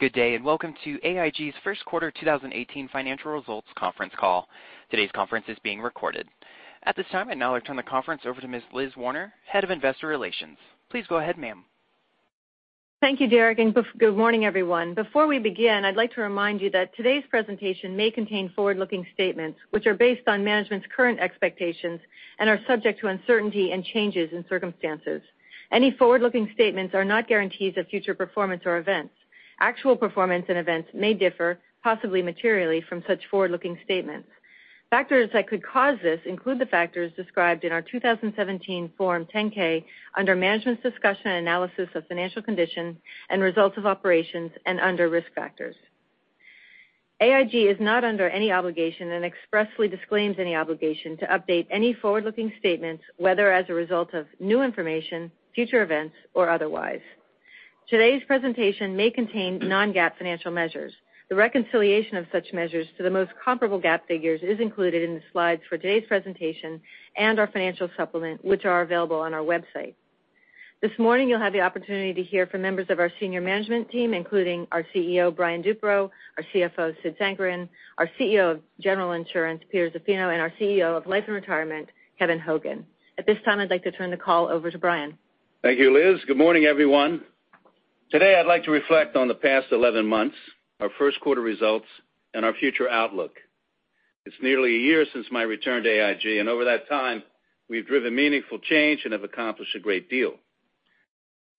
Good day, and welcome to AIG's first quarter 2018 financial results conference call. Today's conference is being recorded. At this time, I now turn the conference over to Ms. Liz Werner, Head of Investor Relations. Please go ahead, ma'am. Thank you, Derek. Good morning, everyone. Before we begin, I'd like to remind you that today's presentation may contain forward-looking statements, which are based on management's current expectations and are subject to uncertainty and changes in circumstances. Any forward-looking statements are not guarantees of future performance or events. Actual performance and events may differ, possibly materially, from such forward-looking statements. Factors that could cause this include the factors described in our 2017 Form 10-K under Management's Discussion Analysis of Financial Condition and Results of Operations and under Risk Factors. AIG is not under any obligation and expressly disclaims any obligation to update any forward-looking statements, whether as a result of new information, future events, or otherwise. Today's presentation may contain non-GAAP financial measures. The reconciliation of such measures to the most comparable GAAP figures is included in the slides for today's presentation and our financial supplement, which are available on our website. This morning, you'll have the opportunity to hear from members of our senior management team, including our CEO, Brian Duperreault, our CFO, Sid Sankaran, our CEO of General Insurance, Peter Zaffino, and our CEO of Life and Retirement, Kevin Hogan. At this time, I'd like to turn the call over to Brian. Thank you, Liz. Good morning, everyone. Today, I'd like to reflect on the past 11 months, our first quarter results, and our future outlook. It's nearly a year since my return to AIG. Over that time, we've driven meaningful change and have accomplished a great deal.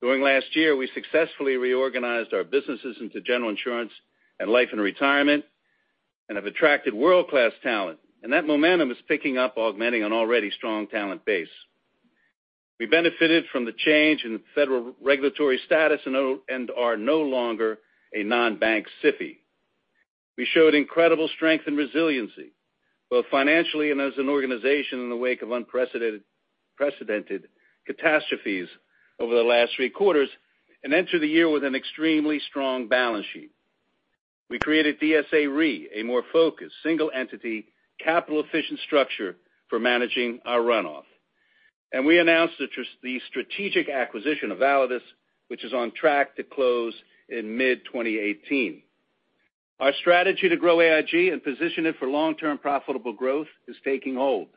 During last year, we successfully reorganized our businesses into General Insurance and Life and Retirement and have attracted world-class talent. That momentum is picking up, augmenting an already strong talent base. We benefited from the change in federal regulatory status and are no longer a non-bank SIFI. We showed incredible strength and resiliency, both financially and as an organization in the wake of unprecedented catastrophes over the last three quarters and enter the year with an extremely strong balance sheet. We created DSA Re, a more focused, single-entity, capital-efficient structure for managing our runoff. We announced the strategic acquisition of Validus, which is on track to close in mid-2018. Our strategy to grow AIG and position it for long-term profitable growth is taking hold.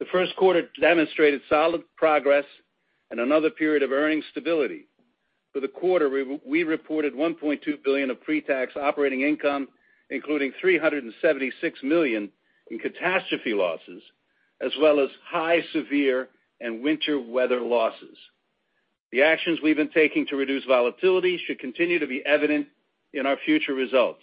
The first quarter demonstrated solid progress and another period of earning stability. For the quarter, we reported $1.2 billion of pre-tax operating income, including $376 million in catastrophe losses, as well as high, severe, and winter weather losses. The actions we've been taking to reduce volatility should continue to be evident in our future results.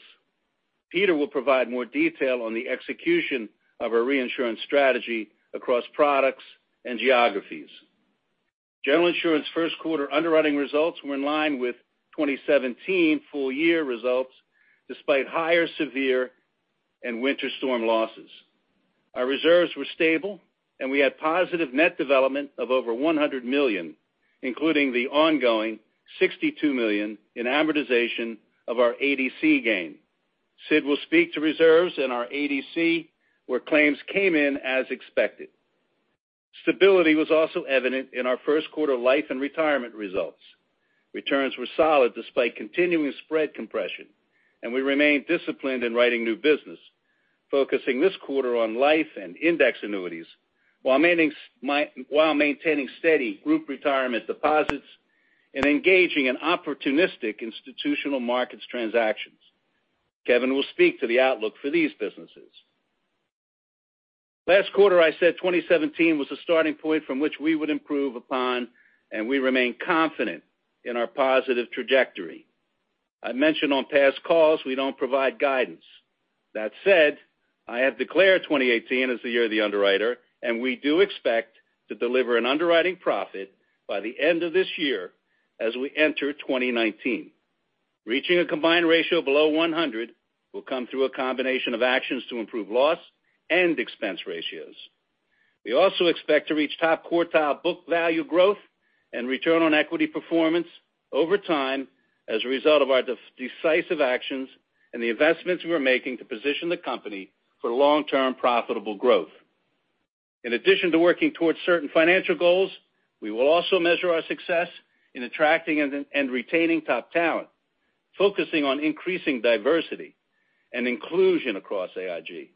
Peter will provide more detail on the execution of our reinsurance strategy across products and geographies. General Insurance first quarter underwriting results were in line with 2017 full year results, despite higher severe and winter storm losses. Our reserves were stable, and we had positive net development of over $100 million, including the ongoing $62 million in amortization of our ADC gain. Sid will speak to reserves in our ADC, where claims came in as expected. Stability was also evident in our first quarter Life and Retirement results. Returns were solid despite continuing spread compression, and we remained disciplined in writing new business, focusing this quarter on life and index annuities while maintaining steady group retirement deposits and engaging in opportunistic institutional markets transactions. Kevin will speak to the outlook for these businesses. Last quarter, I said 2017 was a starting point from which we would improve upon, and we remain confident in our positive trajectory. I mentioned on past calls, we don't provide guidance. That said, I have declared 2018 as the year of the underwriter, and we do expect to deliver an underwriting profit by the end of this year as we enter 2019. Reaching a combined ratio below 100 will come through a combination of actions to improve loss and expense ratios. We also expect to reach top quartile book value growth and return on equity performance over time as a result of our decisive actions and the investments we're making to position the company for long-term profitable growth. In addition to working towards certain financial goals, we will also measure our success in attracting and retaining top talent, focusing on increasing diversity and inclusion across AIG,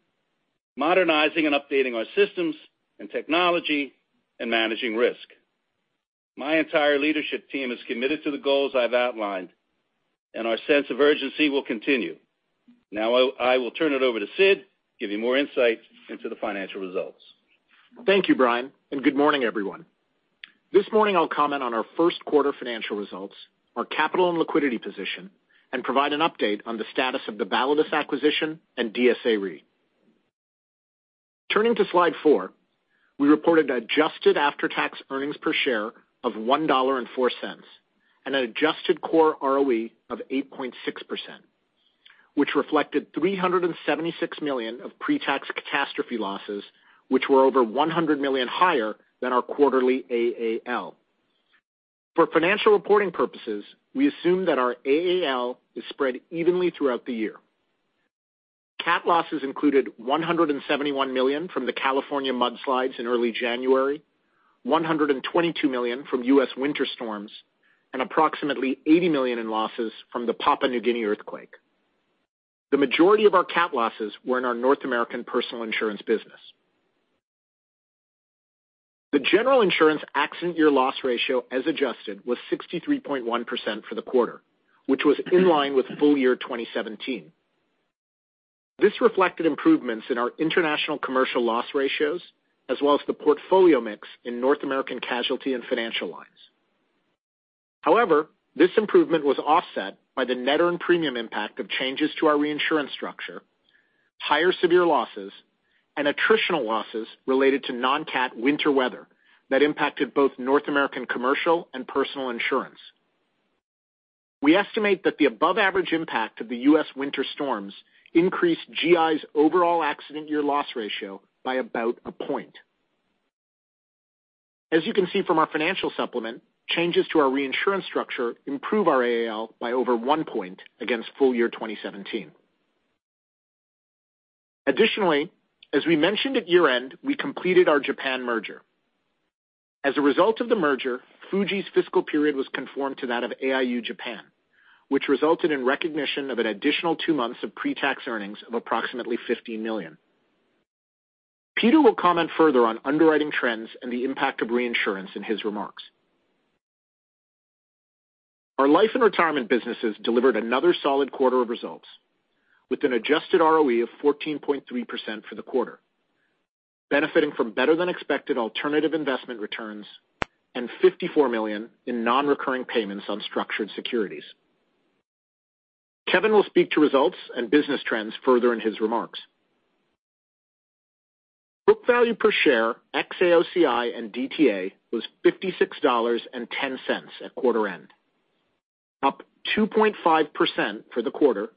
modernizing and updating our systems and technology, and managing risk. My entire leadership team is committed to the goals I've outlined. Our sense of urgency will continue. I will turn it over to Sid, give you more insight into the financial results. Thank you, Brian. Good morning, everyone. This morning I'll comment on our first quarter financial results, our capital and liquidity position, and provide an update on the status of the Validus acquisition and DSA Re. Turning to slide four, we reported adjusted after-tax earnings per share of $1.04 and an adjusted core ROE of 8.6%, which reflected $376 million of pre-tax catastrophe losses, which were over $100 million higher than our quarterly AAL. For financial reporting purposes, we assume that our AAL is spread evenly throughout the year. Cat losses included $171 million from the California mudslides in early January, $122 million from U.S. winter storms, and approximately $80 million in losses from the Papua New Guinea earthquake. The majority of our cat losses were in our North American personal insurance business. The General Insurance accident year loss ratio as adjusted was 63.1% for the quarter, which was in line with full year 2017. This reflected improvements in our international commercial loss ratios as well as the portfolio mix in North American casualty and financial lines. However, this improvement was offset by the net earned premium impact of changes to our reinsurance structure, higher severe losses, and attritional losses related to non-cat winter weather that impacted both North American commercial and personal insurance. We estimate that the above-average impact of the U.S. winter storms increased GI's overall accident year loss ratio by about a point. As you can see from our financial supplement, changes to our reinsurance structure improve our AAL by over one point against full year 2017. Additionally, as we mentioned at year-end, we completed our Japan merger. As a result of the merger, Fuji's fiscal period was conformed to that of AIU Japan, which resulted in recognition of an additional two months of pre-tax earnings of approximately $15 million. Peter will comment further on underwriting trends and the impact of reinsurance in his remarks. Our Life and Retirement businesses delivered another solid quarter of results with an adjusted ROE of 14.3% for the quarter, benefiting from better-than-expected alternative investment returns and $54 million in non-recurring payments on structured securities. Kevin will speak to results and business trends further in his remarks. Book value per share ex-AOCI and DTA was $56.10 at quarter end, up 2.5% for the quarter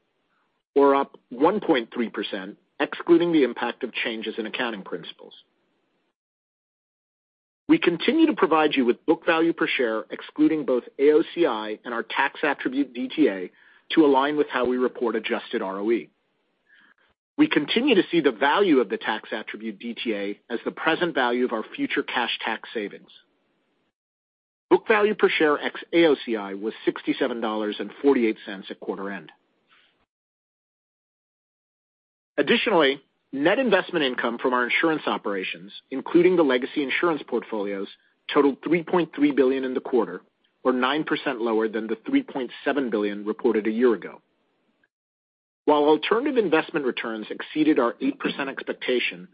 or up 1.3%, excluding the impact of changes in accounting principles. We continue to provide you with book value per share excluding both AOCI and our tax attribute DTA to align with how we report adjusted ROE. We continue to see the value of the tax attribute DTA as the present value of our future cash tax savings. Book value per share ex-AOCI was $67.48 at quarter end. Additionally, net investment income from our insurance operations, including the legacy insurance portfolios, totaled $3.3 billion in the quarter, or 9% lower than the $3.7 billion reported a year ago. While alternative investment returns exceeded our 8% expectation,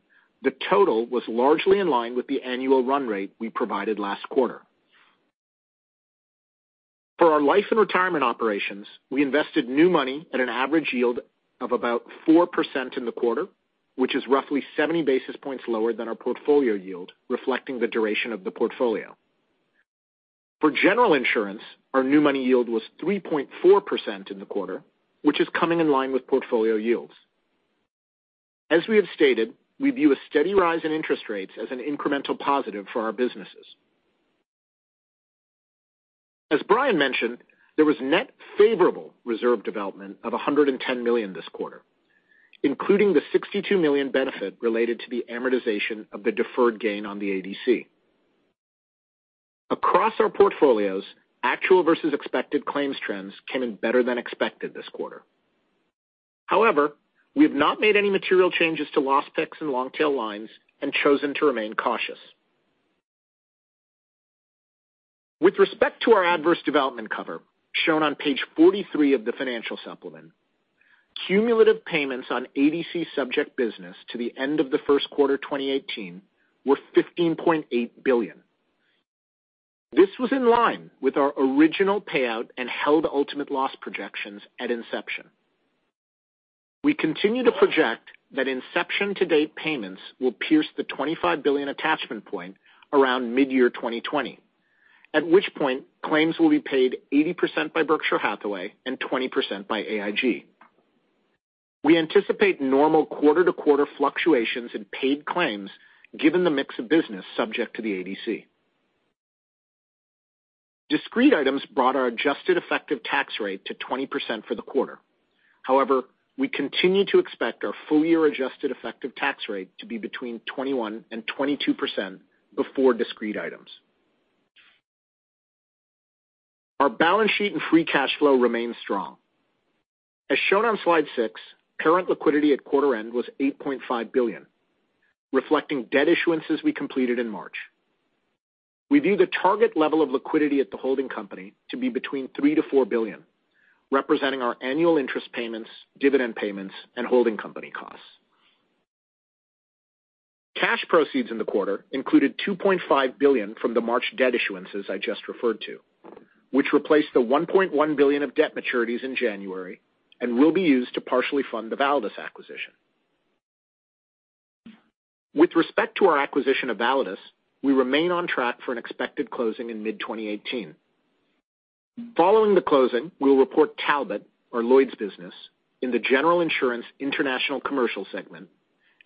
the total was largely in line with the annual run rate we provided last quarter. For our Life and Retirement operations, we invested new money at an average yield of about 4% in the quarter, which is roughly 70 basis points lower than our portfolio yield, reflecting the duration of the portfolio. For General Insurance, our new money yield was 3.4% in the quarter, which is coming in line with portfolio yields. As we have stated, we view a steady rise in interest rates as an incremental positive for our businesses. As Brian mentioned, there was net favorable reserve development of $110 million this quarter, including the $62 million benefit related to the amortization of the deferred gain on the ADC. Across our portfolios, actual versus expected claims trends came in better than expected this quarter. However, we have not made any material changes to loss picks and long-tail lines and chosen to remain cautious. With respect to our adverse development cover, shown on page 43 of the financial supplement, cumulative payments on ADC-subject business to the end of the first quarter 2018 were $15.8 billion. This was in line with our original payout and held ultimate loss projections at inception. We continue to project that inception-to-date payments will pierce the $25 billion attachment point around mid-year 2020, at which point claims will be paid 80% by Berkshire Hathaway and 20% by AIG. We anticipate normal quarter-to-quarter fluctuations in paid claims given the mix of business subject to the ADC. Discrete items brought our adjusted effective tax rate to 20% for the quarter. We continue to expect our full-year adjusted effective tax rate to be between 21% and 22% before discrete items. Our balance sheet and free cash flow remain strong. As shown on slide six, current liquidity at quarter end was $8.5 billion, reflecting debt issuances we completed in March. We view the target level of liquidity at the holding company to be between $3 billion to $4 billion, representing our annual interest payments, dividend payments, and holding company costs. Cash proceeds in the quarter included $2.5 billion from the March debt issuances I just referred to, which replaced the $1.1 billion of debt maturities in January and will be used to partially fund the Validus acquisition. With respect to our acquisition of Validus, we remain on track for an expected closing in mid-2018. Following the closing, we'll report Talbot, our Lloyd's business, in the General Insurance International Commercial segment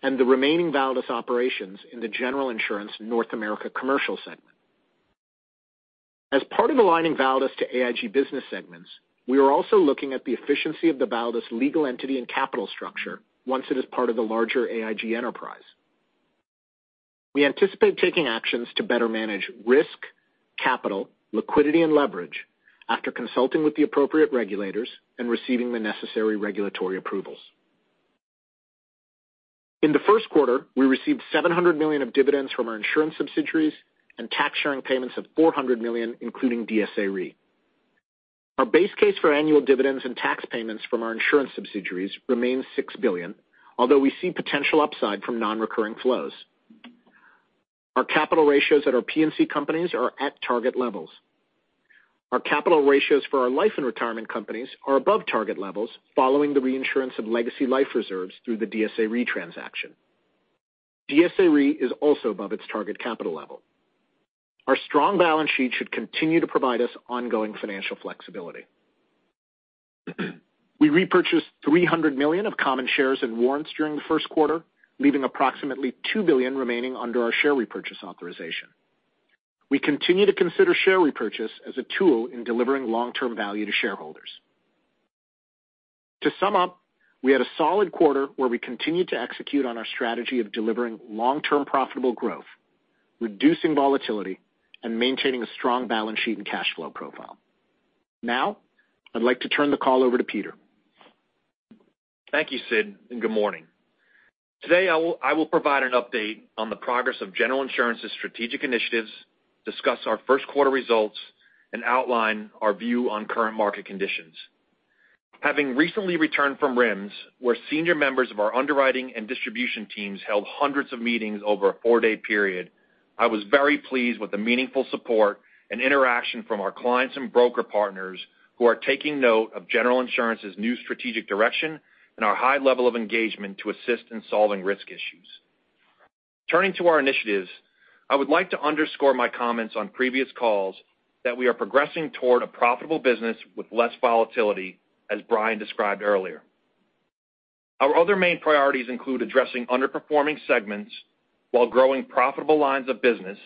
and the remaining Validus operations in the General Insurance North America Commercial segment. As part of aligning Validus to AIG business segments, we are also looking at the efficiency of the Validus legal entity and capital structure once it is part of the larger AIG enterprise. We anticipate taking actions to better manage risk, capital, liquidity, and leverage after consulting with the appropriate regulators and receiving the necessary regulatory approvals. In the first quarter, we received $700 million of dividends from our insurance subsidiaries and tax sharing payments of $400 million, including DSA Re. Our base case for annual dividends and tax payments from our insurance subsidiaries remains $6 billion, although we see potential upside from non-recurring flows. Our capital ratios at our P&C companies are at target levels. Our capital ratios for our Life and Retirement companies are above target levels, following the reinsurance of legacy life reserves through the DSA Re transaction. DSA Re is also above its target capital level. Our strong balance sheet should continue to provide us ongoing financial flexibility. We repurchased $300 million of common shares and warrants during the first quarter, leaving approximately $2 billion remaining under our share repurchase authorization. We continue to consider share repurchase as a tool in delivering long-term value to shareholders. To sum up, we had a solid quarter where we continued to execute on our strategy of delivering long-term profitable growth, reducing volatility, and maintaining a strong balance sheet and cash flow profile. Now, I'd like to turn the call over to Peter. Thank you, Sid, and good morning. Today, I will provide an update on the progress of General Insurance's strategic initiatives, discuss our first quarter results, and outline our view on current market conditions. Having recently returned from RIMS, where senior members of our underwriting and distribution teams held hundreds of meetings over a four-day period, I was very pleased with the meaningful support and interaction from our clients and broker partners who are taking note of General Insurance's new strategic direction and our high level of engagement to assist in solving risk issues. Turning to our initiatives, I would like to underscore my comments on previous calls that we are progressing toward a profitable business with less volatility, as Brian described earlier. Our other main priorities include addressing underperforming segments while growing profitable lines of business,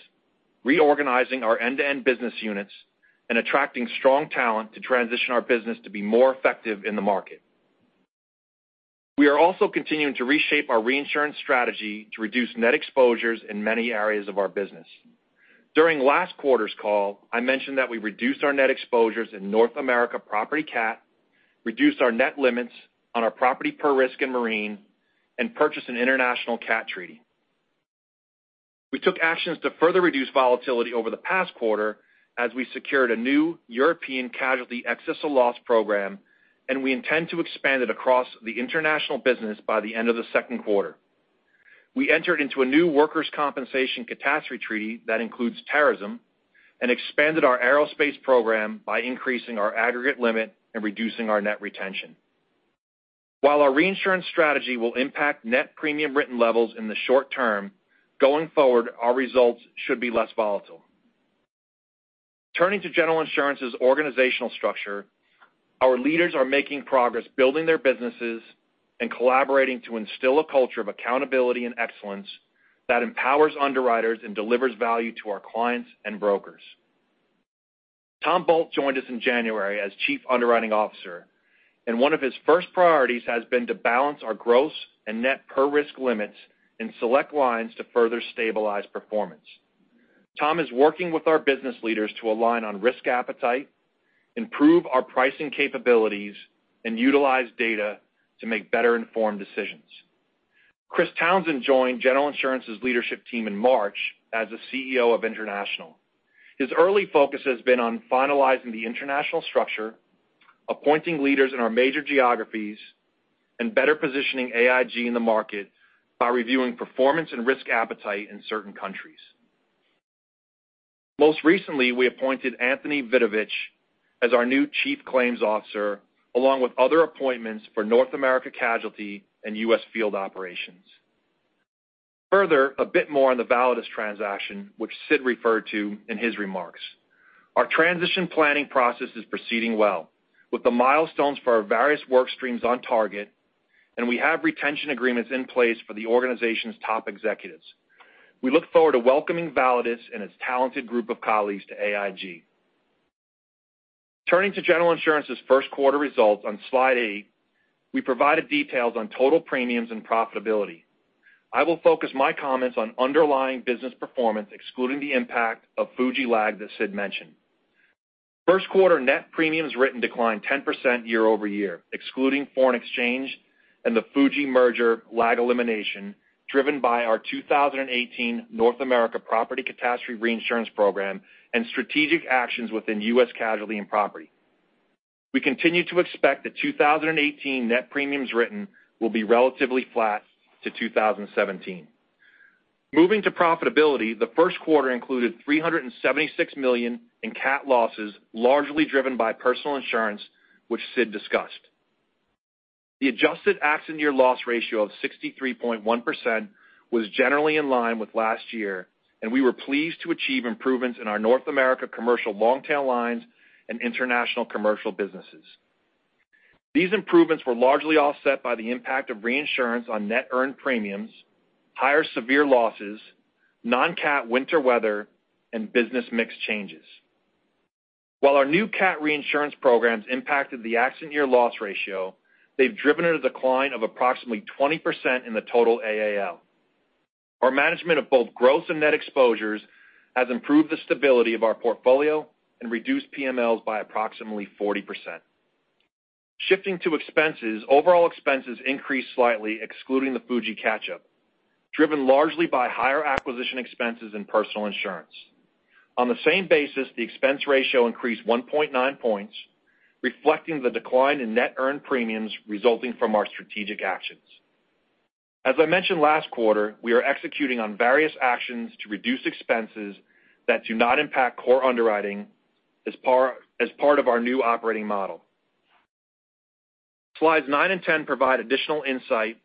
reorganizing our end-to-end business units, and attracting strong talent to transition our business to be more effective in the market. We are also continuing to reshape our reinsurance strategy to reduce net exposures in many areas of our business. During last quarter's call, I mentioned that we reduced our net exposures in North America property cat, reduced our net limits on our property per risk and marine, and purchased an international cat treaty. We took actions to further reduce volatility over the past quarter as we secured a new European casualty excess of loss program, and we intend to expand it across the international business by the end of the second quarter. We entered into a new workers' compensation catastrophe treaty that includes terrorism and expanded our aerospace program by increasing our aggregate limit and reducing our net retention. While our reinsurance strategy will impact net premium written levels in the short term, going forward, our results should be less volatile. Turning to General Insurance's organizational structure, our leaders are making progress building their businesses and collaborating to instill a culture of accountability and excellence that empowers underwriters and delivers value to our clients and brokers. Tom Bolt joined us in January as Chief Underwriting Officer, and one of his first priorities has been to balance our gross and net per risk limits in select lines to further stabilize performance. Tom is working with our business leaders to align on risk appetite, improve our pricing capabilities, and utilize data to make better-informed decisions. Chris Townsend joined General Insurance's leadership team in March as the CEO of International. His early focus has been on finalizing the international structure, appointing leaders in our major geographies, and better positioning AIG in the market by reviewing performance and risk appetite in certain countries. Most recently, we appointed Anthony Vidovich as our new Chief Claims Officer, along with other appointments for North America Casualty and U.S. Field Operations. A bit more on the Validus transaction, which Sid referred to in his remarks. Our transition planning process is proceeding well. With the milestones for our various work streams on target, and we have retention agreements in place for the organization's top executives. We look forward to welcoming Validus and its talented group of colleagues to AIG. Turning to General Insurance's first quarter results on slide eight, we provided details on total premiums and profitability. I will focus my comments on underlying business performance, excluding the impact of Fuji lag that Sid mentioned. First quarter net premiums written declined 10% year-over-year, excluding foreign exchange and the Fuji merger lag elimination driven by our 2018 North America property catastrophe reinsurance program and strategic actions within U.S. casualty and property. We continue to expect that 2018 net premiums written will be relatively flat to 2017. Moving to profitability, the first quarter included $376 million in cat losses, largely driven by personal insurance, which Sid discussed. The adjusted accident year loss ratio of 63.1% was generally in line with last year, and we were pleased to achieve improvements in our North America commercial long-tail lines and international commercial businesses. These improvements were largely offset by the impact of reinsurance on net earned premiums, higher severe losses, non-cat winter weather, and business mix changes. While our new cat reinsurance programs impacted the accident year loss ratio, they've driven a decline of approximately 20% in the total AAL. Our management of both gross and net exposures has improved the stability of our portfolio and reduced PMLs by approximately 40%. Shifting to expenses, overall expenses increased slightly, excluding the Fuji catch-up, driven largely by higher acquisition expenses and personal insurance. On the same basis, the expense ratio increased 1.9 points, reflecting the decline in net earned premiums resulting from our strategic actions. As I mentioned last quarter, we are executing on various actions to reduce expenses that do not impact core underwriting as part of our new operating model. Slides nine and 10 provide additional insight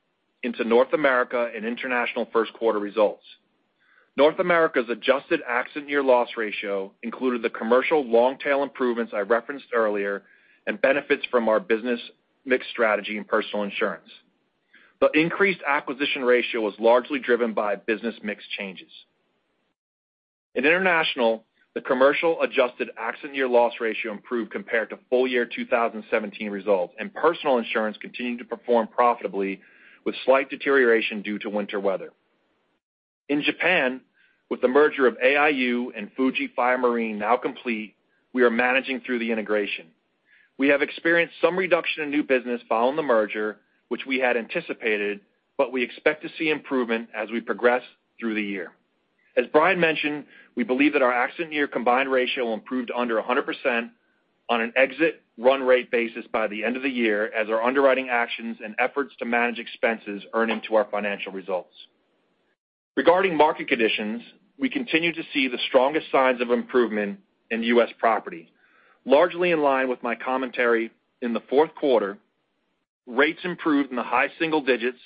into North America and international first-quarter results. North America's adjusted accident year loss ratio included the commercial long-tail improvements I referenced earlier and benefits from our business mix strategy in personal insurance. The increased acquisition ratio was largely driven by business mix changes. In international, the commercial adjusted accident year loss ratio improved compared to full-year 2017 results, and personal insurance continued to perform profitably with slight deterioration due to winter weather. In Japan, with the merger of AIU and Fuji Fire and Marine now complete, we are managing through the integration. We have experienced some reduction in new business following the merger, which we had anticipated, but we expect to see improvement as we progress through the year. As Brian mentioned, we believe that our accident year combined ratio improved under 100% on an exit run rate basis by the end of the year as our underwriting actions and efforts to manage expenses earn into our financial results. Regarding market conditions, we continue to see the strongest signs of improvement in U.S. property. Largely in line with my commentary in the fourth quarter, rates improved in the high single digits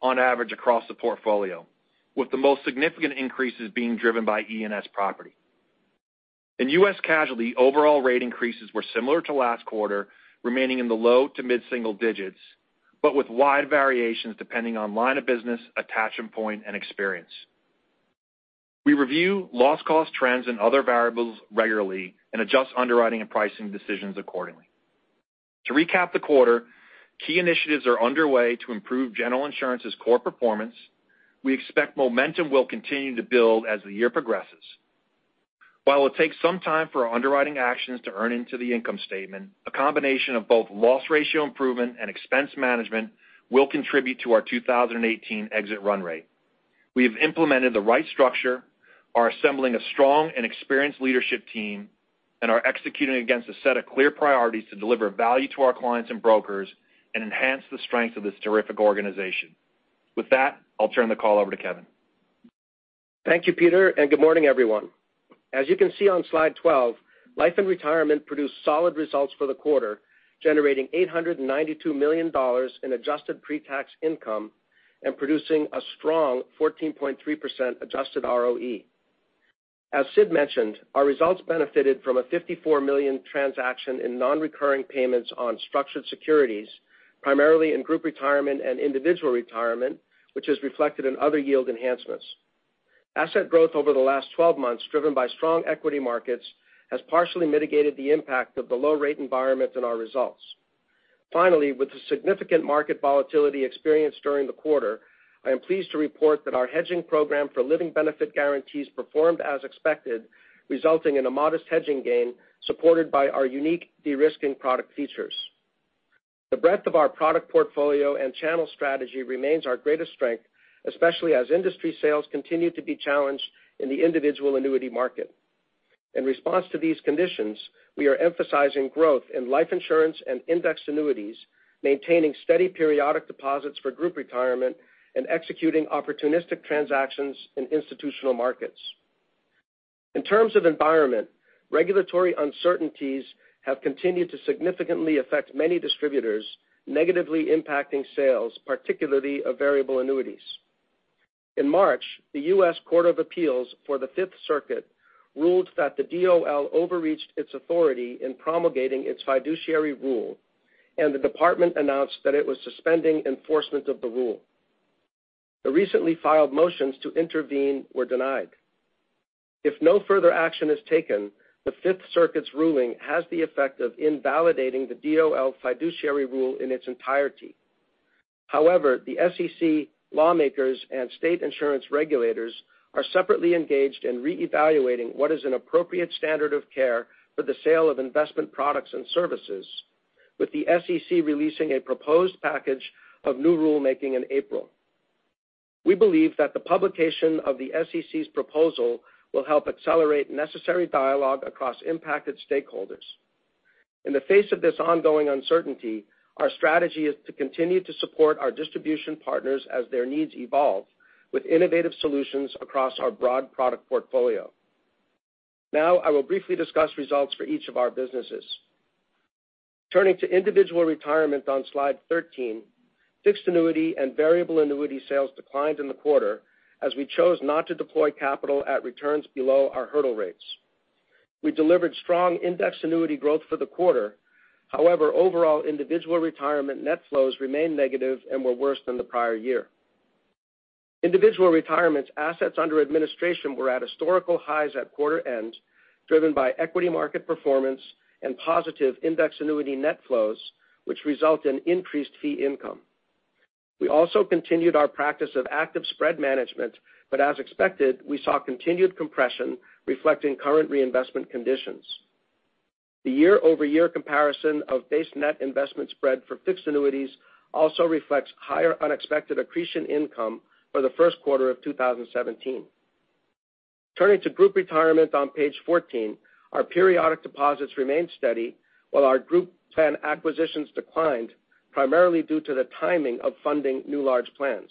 on average across the portfolio, with the most significant increases being driven by E&S property. In U.S. casualty, overall rate increases were similar to last quarter, remaining in the low to mid-single digits, but with wide variations depending on line of business, attachment point, and experience. We review loss cost trends and other variables regularly and adjust underwriting and pricing decisions accordingly. To recap the quarter, key initiatives are underway to improve General Insurance's core performance. We expect momentum will continue to build as the year progresses. While it takes some time for our underwriting actions to earn into the income statement, a combination of both loss ratio improvement and expense management will contribute to our 2018 exit run rate. We have implemented the right structure, are assembling a strong and experienced leadership team, and are executing against a set of clear priorities to deliver value to our clients and brokers and enhance the strength of this terrific organization. With that, I'll turn the call over to Kevin. Thank you, Peter, and good morning, everyone. As you can see on slide 12, Life and Retirement produced solid results for the quarter, generating $892 million in adjusted pre-tax income and producing a strong 14.3% adjusted ROE. As Sid mentioned, our results benefited from a $54 million transaction in non-recurring payments on structured securities, primarily in group retirement and individual retirement, which is reflected in other yield enhancements. Asset growth over the last 12 months driven by strong equity markets has partially mitigated the impact of the low rate environment on our results. Finally, with the significant market volatility experienced during the quarter, I am pleased to report that our hedging program for living benefit guarantees performed as expected, resulting in a modest hedging gain supported by our unique de-risking product features. The breadth of our product portfolio and channel strategy remains our greatest strength, especially as industry sales continue to be challenged in the individual annuity market. In response to these conditions, we are emphasizing growth in life insurance and indexed annuities, maintaining steady periodic deposits for group retirement, and executing opportunistic transactions in institutional markets. In terms of environment, regulatory uncertainties have continued to significantly affect many distributors, negatively impacting sales, particularly of variable annuities. In March, the U.S. Court of Appeals for the Fifth Circuit ruled that the DOL overreached its authority in promulgating its Fiduciary Rule, and the department announced that it was suspending enforcement of the rule. The recently filed motions to intervene were denied. If no further action is taken, the Fifth Circuit's ruling has the effect of invalidating the DOL Fiduciary Rule in its entirety. The SEC lawmakers and state insurance regulators are separately engaged in reevaluating what is an appropriate standard of care for the sale of investment products and services, with the SEC releasing a proposed package of new rulemaking in April. We believe that the publication of the SEC's proposal will help accelerate necessary dialogue across impacted stakeholders. In the face of this ongoing uncertainty, our strategy is to continue to support our distribution partners as their needs evolve with innovative solutions across our broad product portfolio. Now I will briefly discuss results for each of our businesses. Turning to individual retirement on slide 13, fixed annuity and variable annuity sales declined in the quarter as we chose not to deploy capital at returns below our hurdle rates. We delivered strong indexed annuity growth for the quarter. Overall individual retirement net flows remained negative and were worse than the prior year. Individual Retirement assets under administration were at historical highs at quarter end, driven by equity market performance and positive indexed annuity net flows, which result in increased fee income. We also continued our practice of active spread management, but as expected, we saw continued compression reflecting current reinvestment conditions. The year-over-year comparison of base net investment spread for fixed annuities also reflects higher unexpected accretion income for the first quarter of 2017. Turning to Group Retirement on page 14, our periodic deposits remained steady while our group plan acquisitions declined, primarily due to the timing of funding new large plans.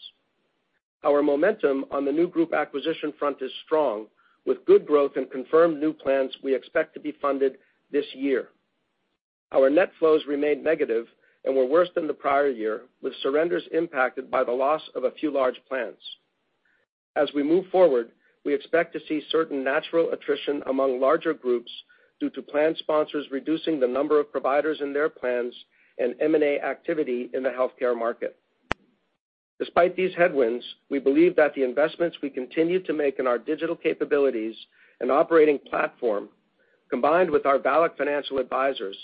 Our momentum on the new group acquisition front is strong, with good growth and confirmed new plans we expect to be funded this year. Our net flows remained negative and were worse than the prior year, with surrenders impacted by the loss of a few large plans. We expect to see certain natural attrition among larger groups due to plan sponsors reducing the number of providers in their plans and M&A activity in the healthcare market. Despite these headwinds, we believe that the investments we continue to make in our digital capabilities and operating platform, combined with our VALIC financial advisors,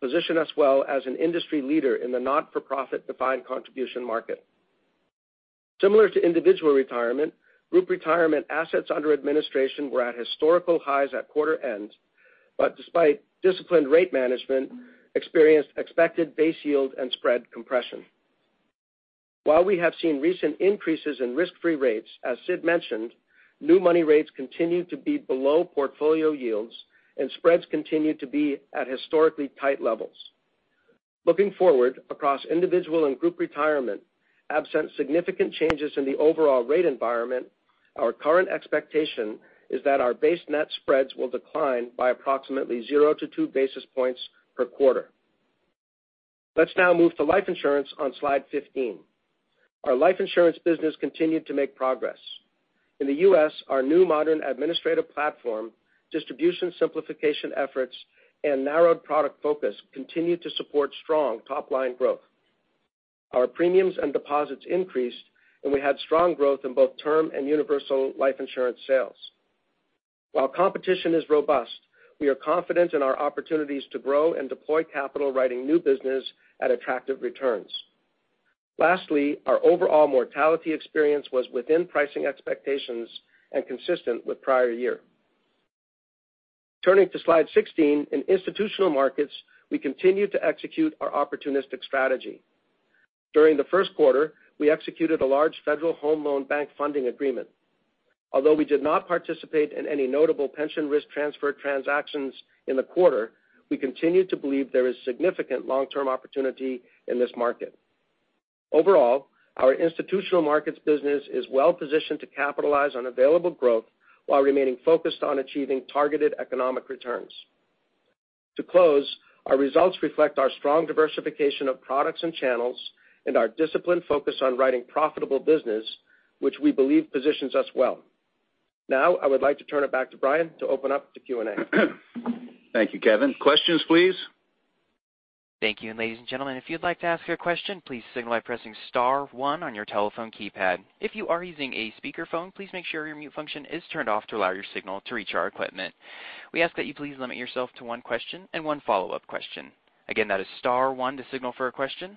position us well as an industry leader in the not-for-profit defined contribution market. Similar to Individual Retirement, Group Retirement assets under administration were at historical highs at quarter end, but despite disciplined rate management, experienced expected base yield and spread compression. We have seen recent increases in risk-free rates, as Sid mentioned, new money rates continue to be below portfolio yields, and spreads continue to be at historically tight levels. Looking forward across Individual and Group Retirement, absent significant changes in the overall rate environment, our current expectation is that our base net spreads will decline by approximately zero to two basis points per quarter. Let's now move to Life Insurance on slide 15. Our Life Insurance business continued to make progress. In the U.S., our new modern administrative platform, distribution simplification efforts, and narrowed product focus continued to support strong top-line growth. Our premiums and deposits increased, and we had strong growth in both term and universal life insurance sales. While competition is robust, we are confident in our opportunities to grow and deploy capital writing new business at attractive returns. Our overall mortality experience was within pricing expectations and consistent with prior year. Turning to slide 16, in Institutional Markets, we continued to execute our opportunistic strategy. During the first quarter, we executed a large Federal Home Loan Bank funding agreement. We did not participate in any notable pension risk transfer transactions in the quarter, we continue to believe there is significant long-term opportunity in this market. Our Institutional Markets business is well-positioned to capitalize on available growth while remaining focused on achieving targeted economic returns. Our results reflect our strong diversification of products and channels and our disciplined focus on writing profitable business, which we believe positions us well. I would like to turn it back to Brian to open up to Q&A. Thank you, Kevin. Questions, please? Thank you. Ladies and gentlemen, if you'd like to ask a question, please signal by pressing *1 on your telephone keypad. If you are using a speakerphone, please make sure your mute function is turned off to allow your signal to reach our equipment. We ask that you please limit yourself to one question and one follow-up question. Again, that is *1 to signal for a question.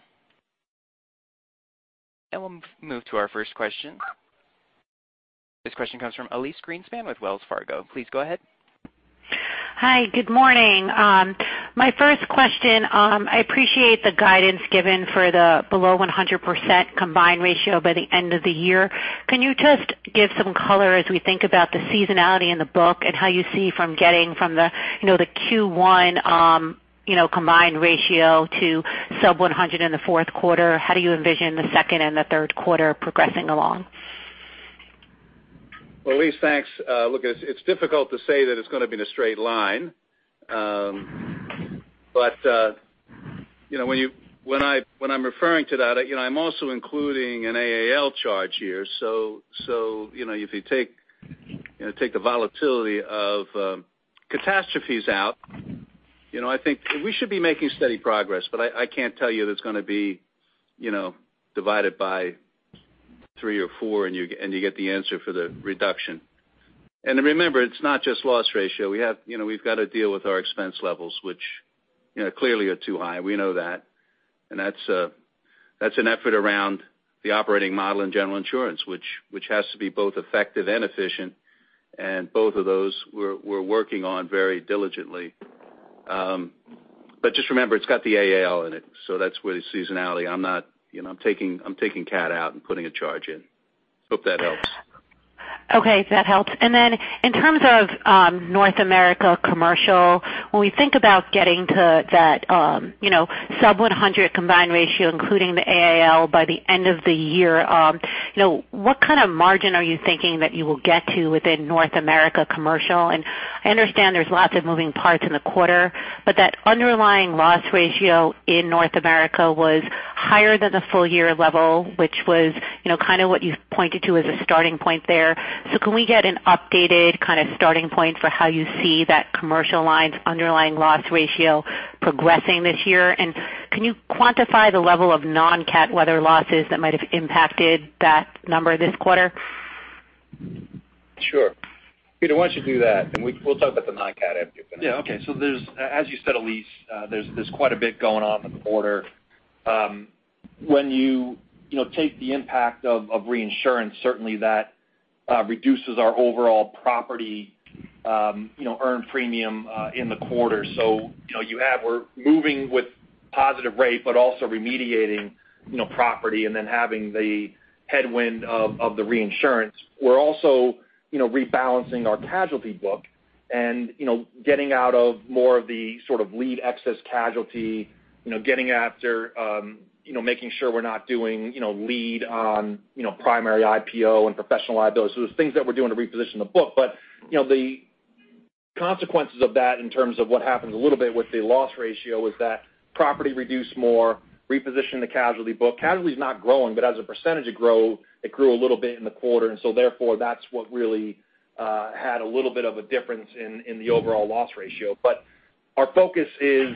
We'll move to our first question. This question comes from Elyse Greenspan with Wells Fargo. Please go ahead. Hi, good morning. My first question, I appreciate the guidance given for the below 100% combined ratio by the end of the year. Can you just give some color as we think about the seasonality in the book and how you see from getting from the Q1 combined ratio to sub 100 in the fourth quarter? How do you envision the second and the third quarter progressing along? Elyse, thanks. Look, it's difficult to say that it's going to be in a straight line. When I'm referring to that, I'm also including an AAL charge here. If you take the volatility of catastrophes out, I think we should be making steady progress. I can't tell you that it's going to be divided by three or four, and you get the answer for the reduction. Remember, it's not just loss ratio. We've got to deal with our expense levels, which clearly are too high. We know that. That's an effort around the operating model in General Insurance, which has to be both effective and efficient, and both of those we're working on very diligently. Just remember, it's got the AAL in it, so that's where the seasonality. I'm taking cat out and putting a charge in. Hope that helps. Okay, that helps. In terms of North America Commercial, when we think about getting to that sub 100 combined ratio, including the AAL, by the end of the year, what kind of margin are you thinking that you will get to within North America Commercial? I understand there's lots of moving parts in the quarter, but that underlying loss ratio in North America was higher than the full-year level, which was what you pointed to as a starting point there. Can we get an updated starting point for how you see that commercial line's underlying loss ratio progressing this year? Can you quantify the level of non-cat weather losses that might have impacted that number this quarter? Sure. Peter, why don't you do that? We'll talk about the non-cat after you're finished. Yeah. Okay. As you said, Elyse, there's quite a bit going on in the quarter. When you take the impact of reinsurance, certainly that reduces our overall property earned premium in the quarter. We're moving with positive rate, but also remediating property and then having the headwind of the reinsurance. We're also rebalancing our casualty book and getting out of more of the sort of lead excess casualty, getting after making sure we're not doing lead on primary IPO and professional liability. Things that we're doing to reposition the book. The consequences of that, in terms of what happens a little bit with the loss ratio, is that property reduced more, reposition the casualty book. Casualty's not growing, but as a percentage it grew a little bit in the quarter, and so therefore, that's what really had a little bit of a difference in the overall loss ratio. Our focus is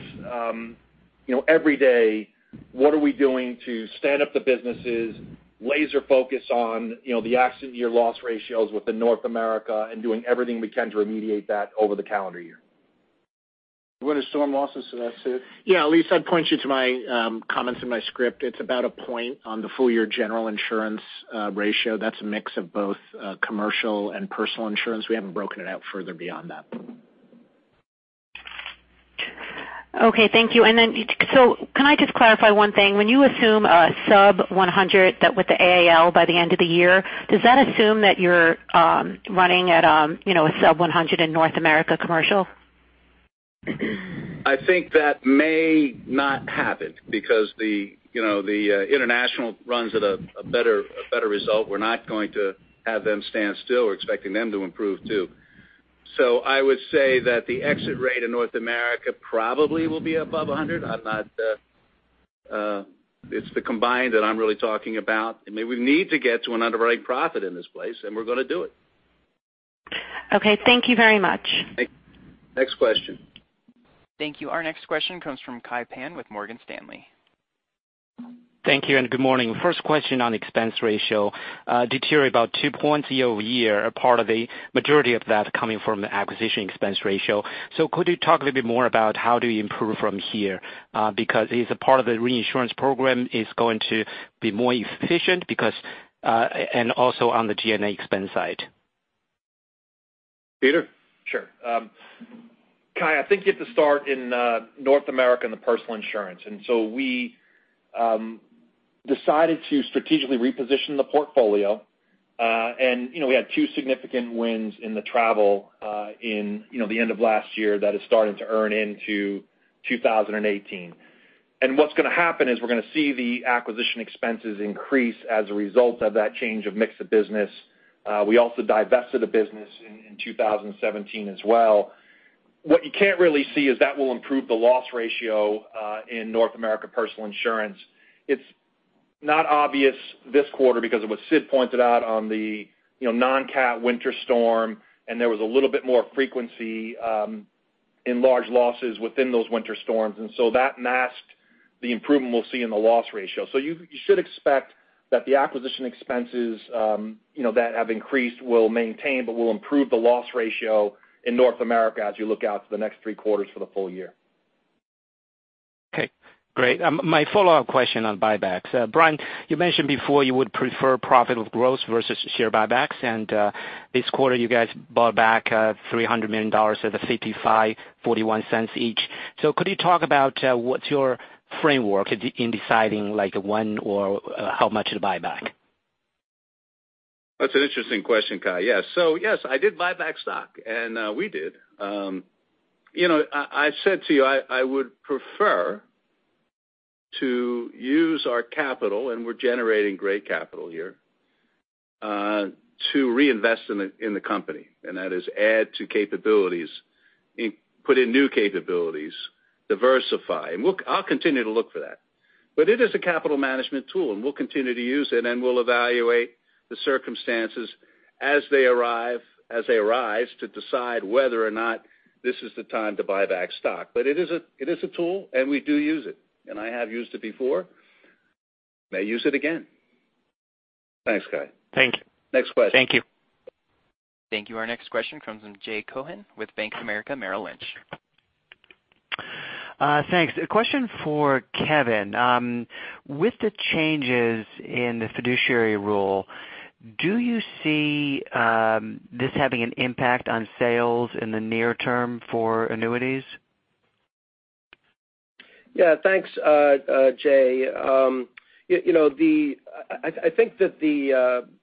every day, what are we doing to stand up the businesses, laser focus on the accident year loss ratios within North America, and doing everything we can to remediate that over the calendar year. You went to storm losses, that's Sid. Yeah, Elyse, I'd point you to my comments in my script. It's about a point on the full year General Insurance ratio. That's a mix of both commercial and personal insurance. We haven't broken it out further beyond that. Okay, thank you. Can I just clarify one thing? When you assume a sub 100 with the AAL by the end of the year, does that assume that you're running at a sub 100 in North America commercial? I think that may not happen because the international runs at a better result. We're not going to have them stand still. We're expecting them to improve, too. I would say that the exit rate in North America probably will be above 100. It's the combined that I'm really talking about, and maybe we need to get to an underwriting profit in this place, and we're going to do it. Okay. Thank you very much. Next question. Thank you. Our next question comes from Kai Pan with Morgan Stanley. Thank you. Good morning. First question on expense ratio. Deteriorate about 2 points year-over-year, a part of the majority of that coming from the acquisition expense ratio. Could you talk a little bit more about how do you improve from here? Because is a part of the reinsurance program is going to be more efficient because, and also on the G&A expense side. Peter? Sure. Kai, I think you have to start in North America and the personal insurance. We decided to strategically reposition the portfolio. We had two significant wins in the travel in the end of last year that is starting to earn into 2018. What's going to happen is we're going to see the acquisition expenses increase as a result of that change of mix of business. We also divested a business in 2017 as well. What you can't really see is that will improve the loss ratio in North America personal insurance. It's not obvious this quarter because of what Sid pointed out on the non-cat winter storm, there was a little bit more frequency in large losses within those winter storms, that masked the improvement we'll see in the loss ratio. You should expect that the acquisition expenses that have increased will maintain, but will improve the loss ratio in North America as you look out to the next three quarters for the full year. Okay. Great. My follow-up question on buybacks. Brian, you mentioned before you would prefer profit of growth versus share buybacks, this quarter you guys bought back $300 million at $55.41 each. Could you talk about what's your framework in deciding when or how much to buy back? That's an interesting question, Kai. Yes. Yes, I did buy back stock, and we did. I said to you, I would prefer to use our capital, we're generating great capital here, to reinvest in the company, that is add to capabilities, put in new capabilities, diversify. I'll continue to look for that. It is a capital management tool, we'll continue to use it, we'll evaluate the circumstances as they arise to decide whether or not this is the time to buy back stock. It is a tool, we do use it, I have used it before. May use it again. Thanks, Kai. Thank you. Next question. Thank you. Thank you. Our next question comes from Jay Cohen with Bank of America Merrill Lynch. Thanks. A question for Kevin. With the changes in the Fiduciary Rule, do you see this having an impact on sales in the near term for annuities? Yeah. Thanks, Jay. I think that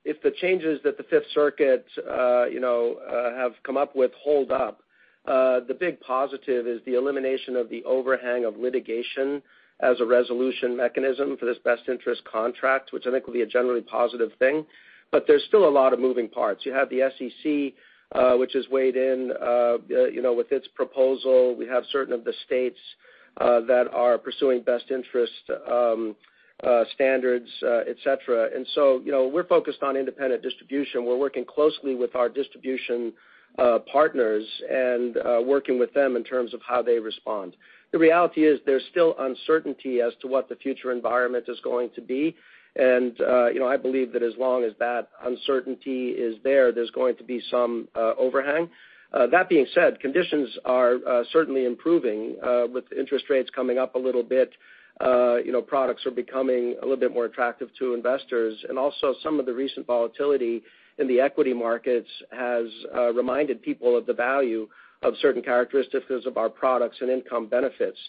if the changes that the Fifth Circuit have come up with hold up, the big positive is the elimination of the overhang of litigation as a resolution mechanism for this Best Interest Contract, which I think will be a generally positive thing. There's still a lot of moving parts. You have the SEC, which has weighed in with its proposal. We have certain of the states that are pursuing best interest standards, et cetera. We're focused on independent distribution. We're working closely with our distribution partners and working with them in terms of how they respond. The reality is, there's still uncertainty as to what the future environment is going to be. I believe that as long as that uncertainty is there's going to be some overhang. That being said, conditions are certainly improving with interest rates coming up a little bit. Products are becoming a little bit more attractive to investors. Also, some of the recent volatility in the equity markets has reminded people of the value of certain characteristics of our products and income benefits.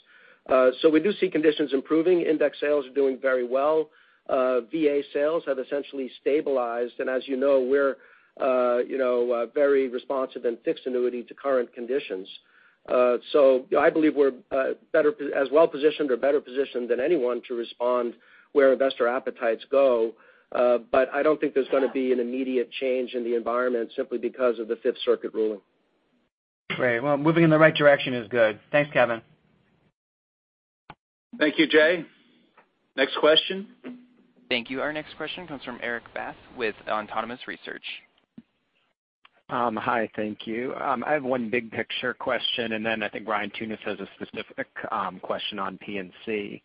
We do see conditions improving. Index sales are doing very well. VA sales have essentially stabilized. As you know, we're very responsive in fixed annuity to current conditions. I believe we're as well-positioned or better positioned than anyone to respond where investor appetites go. I don't think there's going to be an immediate change in the environment simply because of the Fifth Circuit ruling. Great. Well, moving in the right direction is good. Thanks, Kevin. Thank you, Jay. Next question? Thank you. Our next question comes from Erik Bass with Autonomous Research. Hi, thank you. I have one big picture question, and then I think Ryan Tunis has a specific question on P&C.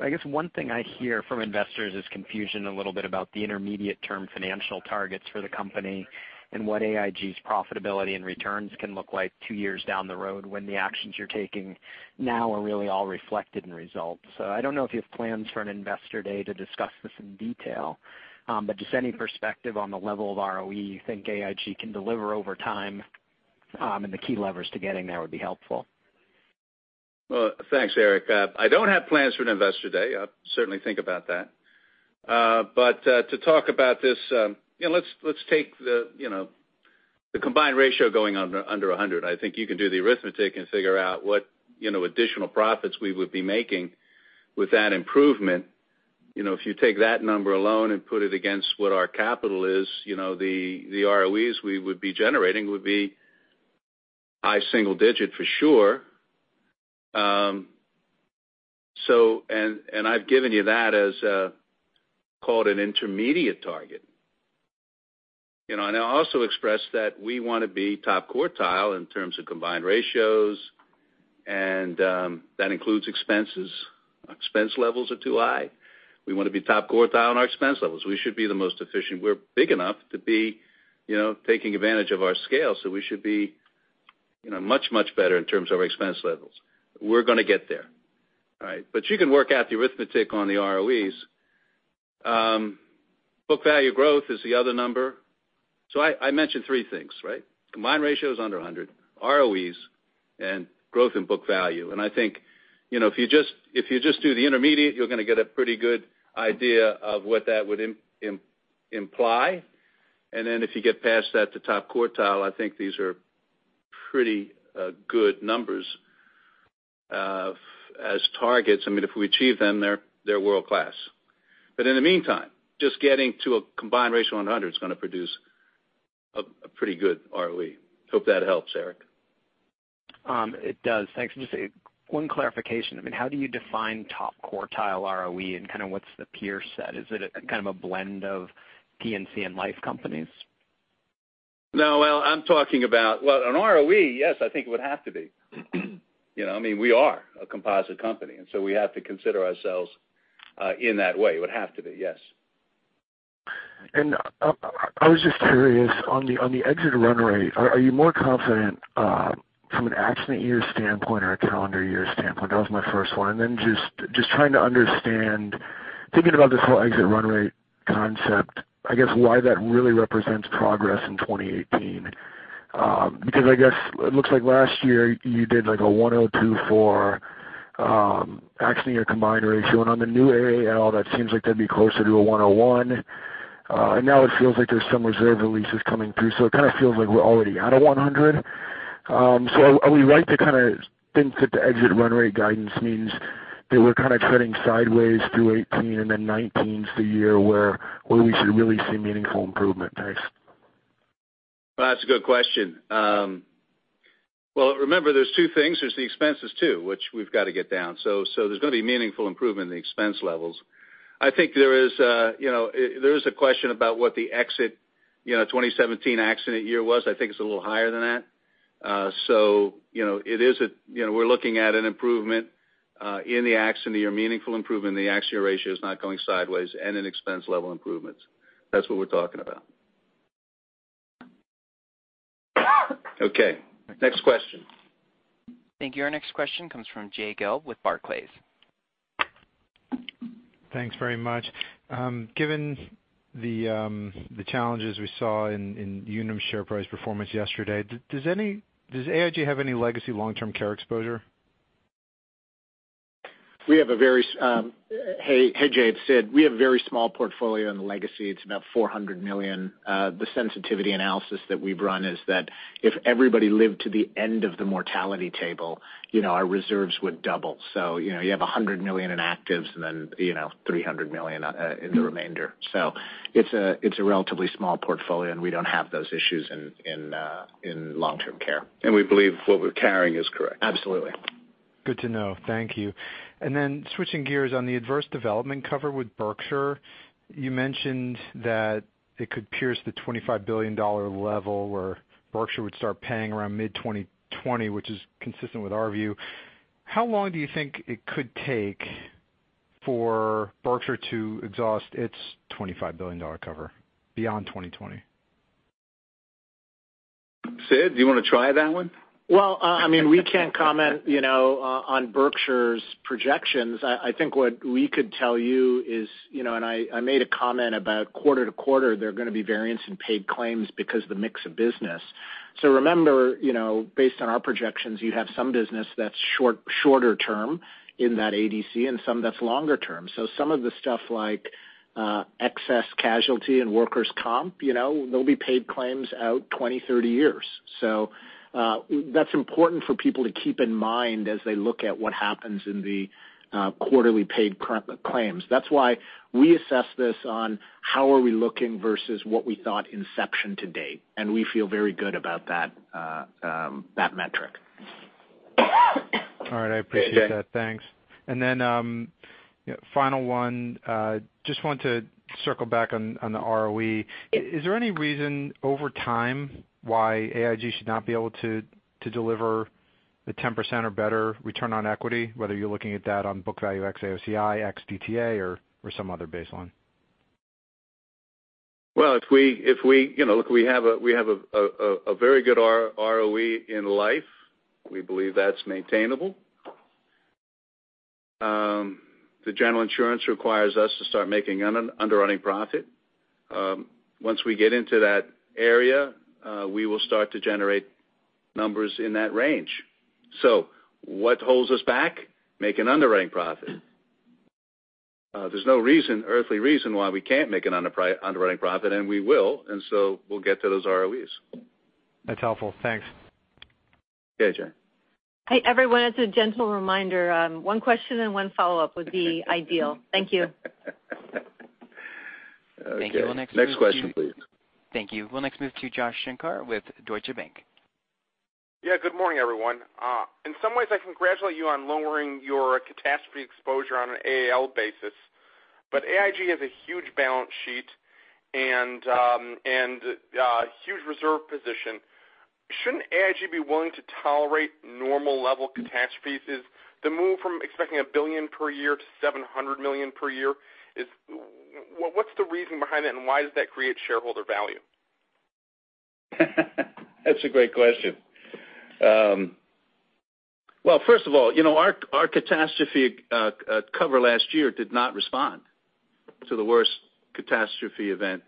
I guess one thing I hear from investors is confusion a little bit about the intermediate term financial targets for the company and what AIG's profitability and returns can look like two years down the road when the actions you're taking now are really all reflected in results. I don't know if you have plans for an investor day to discuss this in detail. Just any perspective on the level of ROE you think AIG can deliver over time, and the key levers to getting there would be helpful. Well, thanks, Erik. I don't have plans for an investor day. I'll certainly think about that. To talk about this, let's take the combined ratio going under 100. I think you can do the arithmetic and figure out what additional profits we would be making with that improvement. If you take that number alone and put it against what our capital is, the ROEs we would be generating would be high single digit for sure. I've given you that as called an intermediate target. I also expressed that we want to be top quartile in terms of combined ratios, and that includes expenses. Expense levels are too high. We want to be top quartile on our expense levels. We should be the most efficient. We're big enough to be taking advantage of our scale, so we should be much, much better in terms of our expense levels. We're going to get there. All right? You can work out the arithmetic on the ROEs. Book value growth is the other number. I mentioned three things, right? Combined ratios under 100, ROEs, and growth in book value. I think, if you just do the intermediate, you're going to get a pretty good idea of what that would imply. Then if you get past that to top quartile, I think these are pretty good numbers as targets. If we achieve them, they're world-class. In the meantime, just getting to a combined ratio on 100 is going to produce a pretty good ROE. Hope that helps, Erik. It does. Thanks. Just one clarification. How do you define top quartile ROE and kind of what's the peer set? Is it a kind of a blend of P&C and life companies? No, well, an ROE, yes, I think it would have to be. We are a composite company, we have to consider ourselves in that way. It would have to be, yes. I was just curious, on the exit run rate, are you more confident from an accident year standpoint or a calendar year standpoint? That was my first one. Just trying to understand, thinking about this whole exit run rate concept, I guess why that really represents progress in 2018. I guess it looks like last year you did like a 102 for accident year combined ratio, and on the new AAL, that seems like that'd be closer to a 101. Now it feels like there's some reserve releases coming through, so it kind of feels like we're already at a 100. Are we right to kind of think that the exit run rate guidance means that we're kind of treading sideways through 2018, then 2019's the year where we should really see meaningful improvement pace? That's a good question. Well, remember, there's two things. There's the expenses too, which we've got to get down. There's going to be meaningful improvement in the expense levels. I think there is a question about what the exit 2017 accident year was. I think it's a little higher than that. We're looking at an improvement in the accident year, meaningful improvement in the accident year ratio is not going sideways, and an expense level improvements. That's what we're talking about. Okay, next question. Thank you. Our next question comes from Jay Gelb with Barclays. Thanks very much. Given the challenges we saw in Unum share price performance yesterday, does AIG have any legacy long-term care exposure? Hey, Jay. It's Sid. We have a very small portfolio in legacy. It's about $400 million. The sensitivity analysis that we've run is that if everybody lived to the end of the mortality table, our reserves would double. You have $100 million in actives and then $300 million in the remainder. It's a relatively small portfolio, and we don't have those issues in long-term care. We believe what we're carrying is correct. Absolutely. Good to know. Thank you. Then switching gears on the adverse development cover with Berkshire, you mentioned that it could pierce the $25 billion level where Berkshire would start paying around mid-2020, which is consistent with our view. How long do you think it could take for Berkshire to exhaust its $25 billion cover beyond 2020? Sid, do you want to try that one? Well, we can't comment on Berkshire's projections. I think what we could tell you is. I made a comment about quarter to quarter, there are going to be variance in paid claims because the mix of business. Remember, based on our projections, you'd have some business that's shorter term in that ADC and some that's longer term. Some of the stuff like excess casualty and workers' comp, there'll be paid claims out 20, 30 years. That's important for people to keep in mind as they look at what happens in the quarterly paid claims. That's why we assess this on how are we looking versus what we thought inception to date. We feel very good about that metric. All right. I appreciate that. Thanks. Final one, just want to circle back on the ROE. Is there any reason over time why AIG should not be able to deliver the 10% or better return on equity, whether you're looking at that on book value ex AOCI, ex DTA, or some other baseline? Well, look, we have a very good ROE in life. We believe that's maintainable. The General Insurance requires us to start making underwriting profit. Once we get into that area, we will start to generate numbers in that range. What holds us back? Making underwriting profit. There's no earthly reason why we can't make an underwriting profit, and we will. We'll get to those ROEs. That's helpful. Thanks. Okay, Jay. Hey, everyone. As a gentle reminder, one question and one follow-up would be ideal. Thank you. Okay. Next question, please. Thank you. We'll next move to Joshua Shanker with Deutsche Bank. Yeah. Good morning, everyone. In some ways, I congratulate you on lowering your catastrophe exposure on an AAL basis. AIG has a huge balance sheet and huge reserve position. Shouldn't AIG be willing to tolerate normal level catastrophes? The move from expecting $1 billion per year to $700 million per year, what's the reason behind that, and why does that create shareholder value? That's a great question. Well, first of all, our catastrophe cover last year did not respond to the worst catastrophe event.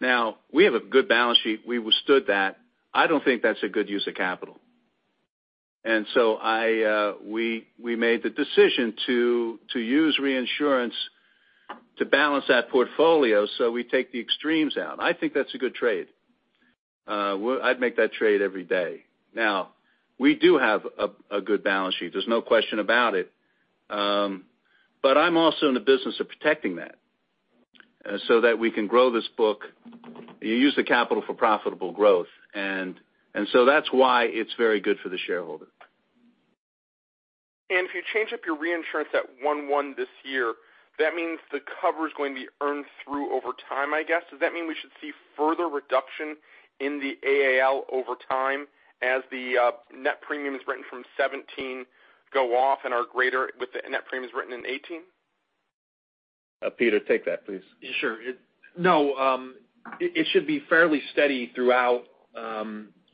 Now we have a good balance sheet. We withstood that. I don't think that's a good use of capital. We made the decision to use reinsurance to balance that portfolio, so we take the extremes out. I think that's a good trade. I'd make that trade every day. Now we do have a good balance sheet. There's no question about it. I'm also in the business of protecting that so that we can grow this book. You use the capital for profitable growth, that's why it's very good for the shareholder. If you change up your reinsurance at one-one this year, that means the cover's going to be earned through over time, I guess. Does that mean we should see further reduction in the AAL over time as the net premiums written from 2017 go off and are greater with the net premiums written in 2018? Peter, take that please. Sure. No, it should be fairly steady throughout the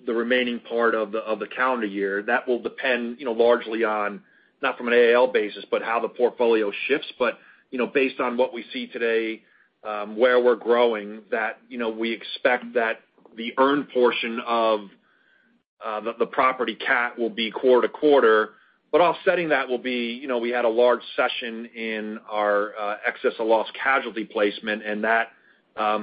remaining part of the calendar year. That will depend largely on, not from an AAL basis, but how the portfolio shifts. Based on what we see today, where we're growing, we expect that the earned portion of the property cat will be quarter-to-quarter. Offsetting that will be, we had a large session in our excess of loss casualty placement, that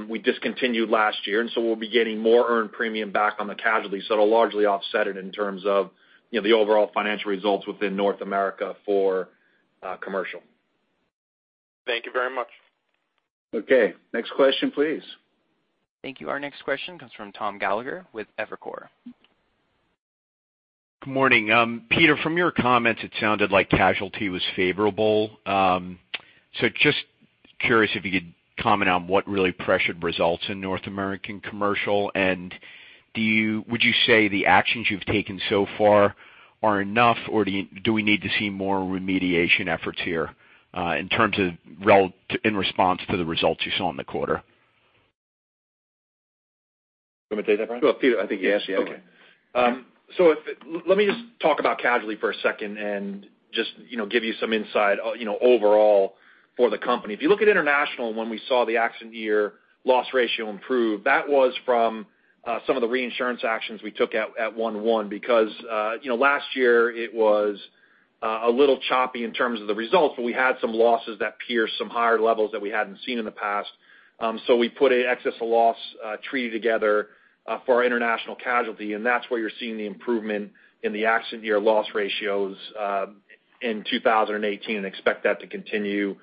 we discontinued last year, we'll be getting more earned premium back on the casualty. It'll largely offset it in terms of the overall financial results within North America for commercial. Thank you very much. Okay. Next question, please. Thank you. Our next question comes from Thomas Gallagher with Evercore. Good morning. Peter, from your comments, it sounded like casualty was favorable. Just curious if you could comment on what really pressured results in North American commercial, and would you say the actions you've taken so far are enough, or do we need to see more remediation efforts here in response to the results you saw in the quarter? You want me to take that, Brian? Sure. Peter, I think he asked you. Okay. Let me just talk about casualty for a second and just give you some insight overall for the company. If you look at international, when we saw the accident year loss ratio improve, that was from some of the reinsurance actions we took at one-one because last year it was a little choppy in terms of the results, but we had some losses that pierced some higher levels that we hadn't seen in the past. We put an excess of loss treaty together for our international casualty, and that's where you're seeing the improvement in the accident year loss ratios. In 2018 and expect that to continue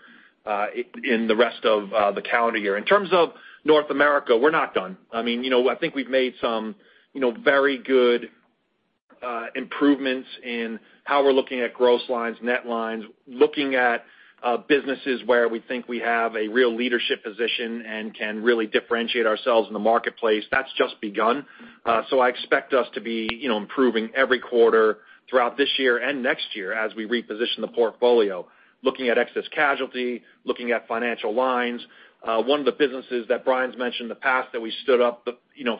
in the rest of the calendar year. In terms of North America, we're not done. I think we've made some very good improvements in how we're looking at gross lines, net lines, looking at businesses where we think we have a real leadership position and can really differentiate ourselves in the marketplace. That's just begun. I expect us to be improving every quarter throughout this year and next year as we reposition the portfolio, looking at excess casualty, looking at financial lines. One of the businesses that Brian's mentioned in the past that we stood up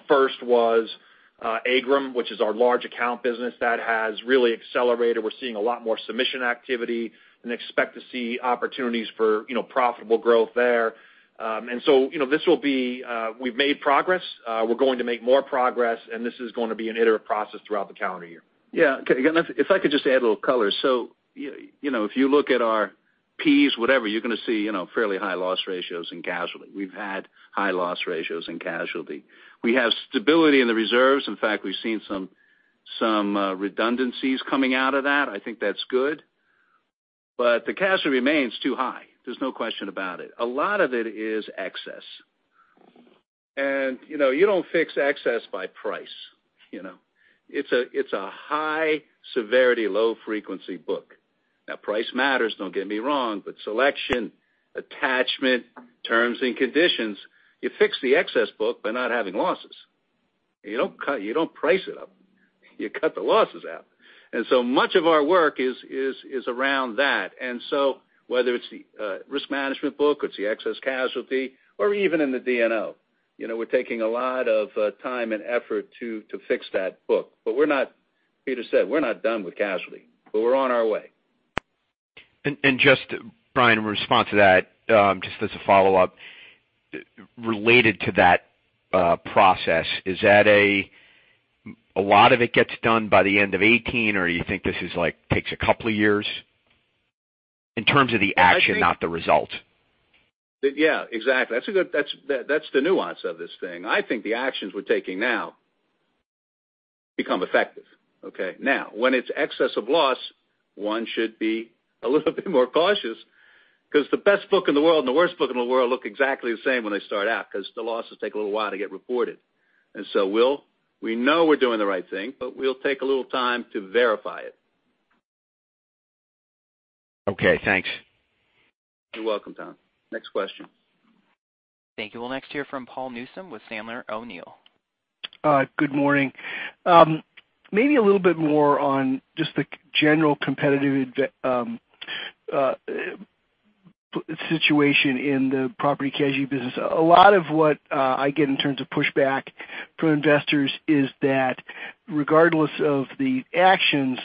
first was AIGRM, which is our large account business. That has really accelerated. We're seeing a lot more submission activity and expect to see opportunities for profitable growth there. We've made progress. We're going to make more progress. This is going to be an iterative process throughout the calendar year. Yeah. Okay. If I could just add a little color. If you look at our Ps, whatever, you're going to see fairly high loss ratios in casualty. We've had high loss ratios in casualty. We have stability in the reserves. In fact, we've seen some redundancies coming out of that. I think that's good. The casualty remains too high. There's no question about it. A lot of it is excess. You don't fix excess by price. It's a high severity, low frequency book. Price matters, don't get me wrong, but selection, attachment, terms and conditions, you fix the excess book by not having losses. You don't price it up. You cut the losses out. So much of our work is around that. Whether it's the risk management book or it's the excess casualty, or even in the D&O. We're taking a lot of time and effort to fix that book. As Peter said, we're not done with casualty, but we're on our way. Just, Brian, in response to that, just as a follow-up, related to that process, a lot of it gets done by the end of 2018, or you think this takes a couple of years? In terms of the action, not the result. Yeah, exactly. That's the nuance of this thing. I think the actions we're taking now become effective, okay? When it's excess of loss, one should be a little bit more cautious because the best book in the world and the worst book in the world look exactly the same when they start out because the losses take a little while to get reported. We know we're doing the right thing, but we'll take a little time to verify it. Okay, thanks. You're welcome, Tom. Next question. Thank you. We'll next hear from Paul Newsome with Sandler O'Neill. Good morning. Maybe a little bit more on just the general competitive situation in the property casualty business. A lot of what I get in terms of pushback from investors is that regardless of the actions,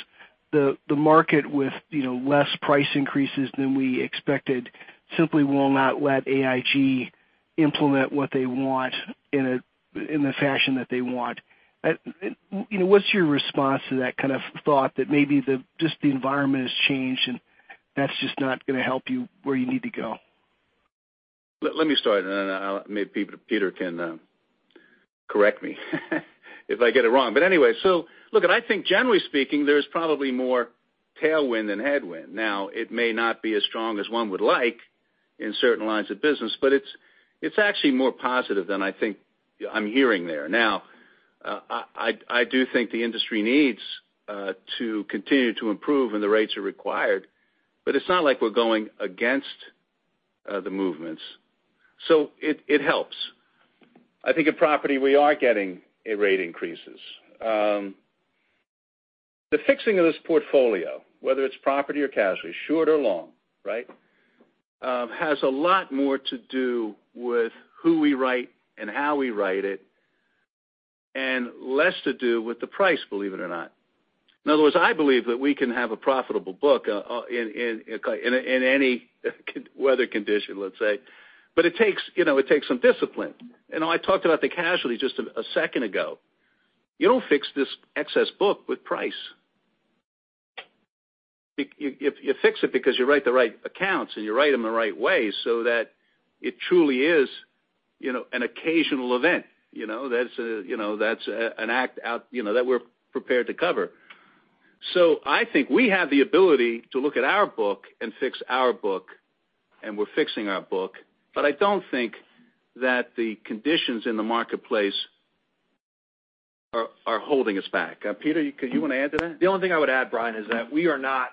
the market with less price increases than we expected simply will not let AIG implement what they want in the fashion that they want. What's your response to that kind of thought that maybe just the environment has changed and that's just not going to help you where you need to go? Let me start, and then maybe Peter can correct me if I get it wrong. Anyway, look, I think generally speaking, there's probably more tailwind than headwind. Now, it may not be as strong as one would like in certain lines of business, but it's actually more positive than I think I'm hearing there. Now, I do think the industry needs to continue to improve when the rates are required, but it's not like we're going against the movements. It helps. I think in property, we are getting rate increases. The fixing of this portfolio, whether it's property or casualty, short or long, has a lot more to do with who we write and how we write it and less to do with the price, believe it or not. In other words, I believe that we can have a profitable book in any weather condition, let's say. It takes some discipline. I talked about the casualty just a second ago. You don't fix this excess book with price. You fix it because you write the right accounts and you write them the right way so that it truly is an occasional event that we're prepared to cover. I think we have the ability to look at our book and fix our book, and we're fixing our book, but I don't think that the conditions in the marketplace are holding us back. Peter, you want to add to that? The only thing I would add, Brian, is that we are not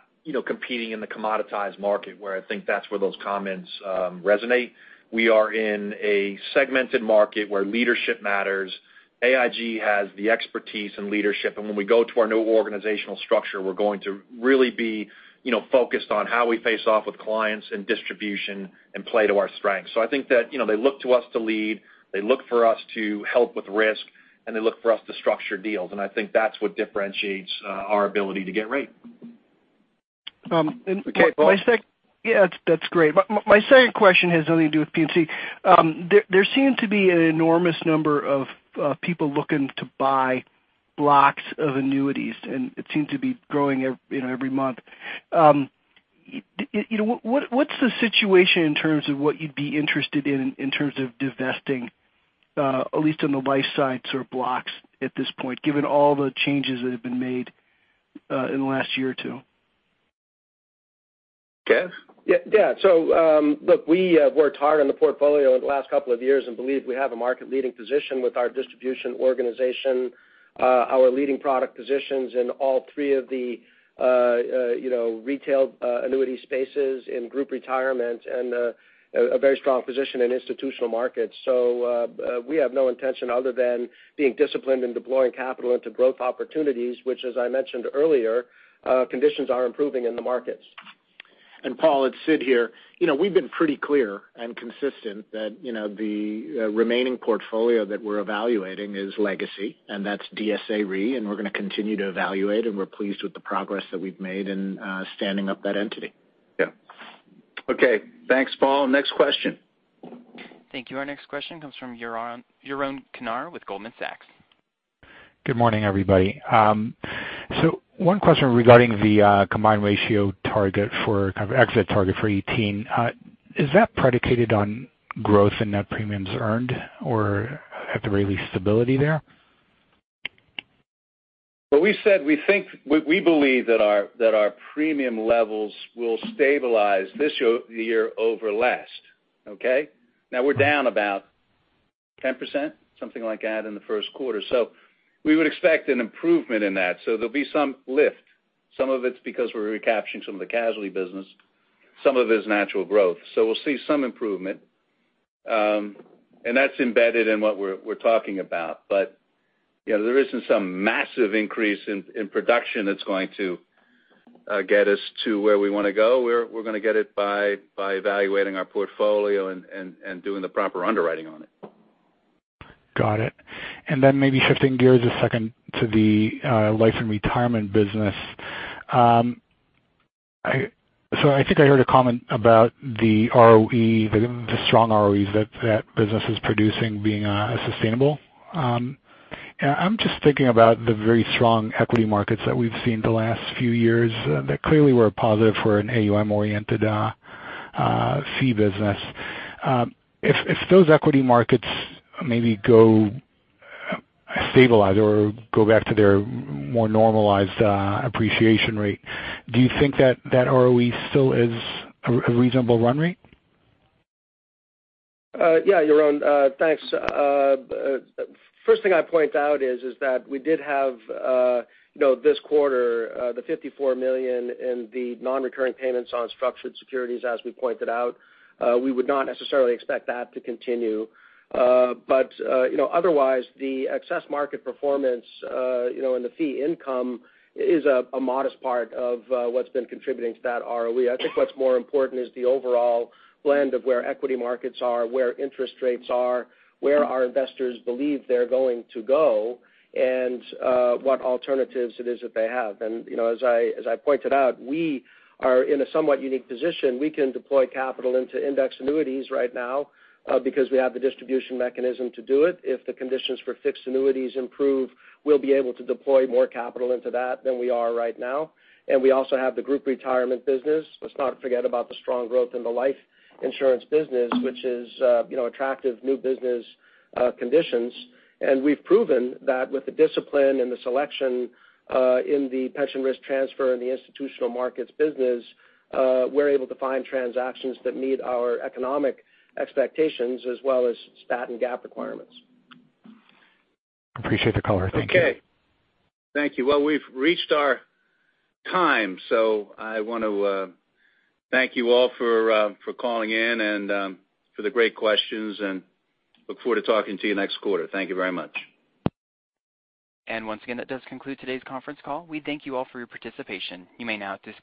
competing in the commoditized market where I think that's where those comments resonate. We are in a segmented market where leadership matters. AIG has the expertise and leadership, and when we go to our new organizational structure, we're going to really be focused on how we face off with clients and distribution and play to our strengths. I think that they look to us to lead, they look for us to help with risk, and they look for us to structure deals. I think that's what differentiates our ability to get rate. Yeah, that's great. My second question has nothing to do with P&C. There seem to be an enormous number of people looking to buy blocks of annuities, and it seems to be growing every month. What's the situation in terms of what you'd be interested in terms of divesting? At least on the life side sort of blocks at this point, given all the changes that have been made in the last year or two. Gus? Look, we have worked hard on the portfolio over the last couple of years and believe we have a market-leading position with our distribution organization, our leading product positions in all three of the retail annuity spaces, in group retirement, and a very strong position in institutional markets. We have no intention other than being disciplined and deploying capital into growth opportunities, which, as I mentioned earlier, conditions are improving in the markets. Paul, it's Sid here. We've been pretty clear and consistent that the remaining portfolio that we're evaluating is legacy, that's DSA Re, we're going to continue to evaluate, and we're pleased with the progress that we've made in standing up that entity. Yeah. Okay. Thanks, Paul. Next question. Thank you. Our next question comes from Yaron Kinar with Goldman Sachs. Good morning, everybody. One question regarding the combined ratio target for kind of exit target for 2018. Is that predicated on growth in net premiums earned or at the very least stability there? Well, we believe that our premium levels will stabilize this year over last. Okay? Now we're down about 10%, something like that, in the first quarter. We would expect an improvement in that. There'll be some lift. Some of it's because we're recapturing some of the casualty business. Some of it is natural growth. We'll see some improvement. That's embedded in what we're talking about. There isn't some massive increase in production that's going to get us to where we want to go. We're going to get it by evaluating our portfolio and doing the proper underwriting on it. Got it. Maybe shifting gears a second to the Life and Retirement business. I think I heard a comment about the ROE, the strong ROEs that that business is producing being sustainable. I'm just thinking about the very strong equity markets that we've seen the last few years that clearly were a positive for an AUM-oriented fee business. If those equity markets maybe go stabilize or go back to their more normalized appreciation rate, do you think that ROE still is a reasonable run rate? Yeah, Yaron, thanks. First thing I'd point out is that we did have this quarter the $54 million in the non-recurring payments on structured securities, as we pointed out. We would not necessarily expect that to continue. Otherwise, the excess market performance in the fee income is a modest part of what's been contributing to that ROE. I think what's more important is the overall blend of where equity markets are, where interest rates are, where our investors believe they're going to go, and what alternatives it is that they have. As I pointed out, we are in a somewhat unique position. We can deploy capital into index annuities right now because we have the distribution mechanism to do it. If the conditions for fixed annuities improve, we'll be able to deploy more capital into that than we are right now. We also have the group retirement business. Let's not forget about the strong growth in the life insurance business, which is attractive new business conditions. We've proven that with the discipline and the selection in the pension risk transfer and the institutional markets business, we're able to find transactions that meet our economic expectations as well as stat and GAAP requirements. Appreciate the color. Thank you. Okay, thank you. We've reached our time, I want to thank you all for calling in and for the great questions and look forward to talking to you next quarter. Thank you very much. Once again, that does conclude today's conference call. We thank you all for your participation. You may now disconnect.